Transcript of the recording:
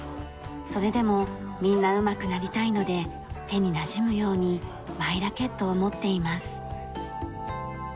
それでもみんなうまくなりたいので手になじむようにマイラケットを持っています。